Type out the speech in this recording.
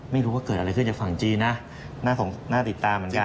ไม่รู้ว่าเกิดอะไรขึ้นจากฝั่งจีนนะน่าติดตามเหมือนกัน